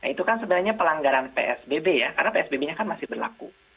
itu kan sebenarnya pelanggaran psbb ya karena psbb nya kan masih berlaku